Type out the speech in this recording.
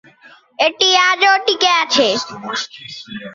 এটি আজও টিকে আছে।